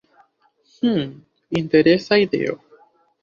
Hm, interesa ideo.